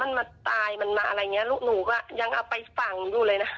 มันมาตายมันมาอะไรอย่างเงี้ลูกหนูก็ยังเอาไปฝังอยู่เลยนะ